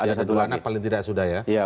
biasa dua anak paling tidak sudah ya